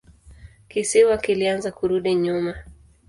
Kisiwa kilianza kurudi nyuma.